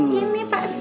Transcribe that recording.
ini sama bayarnya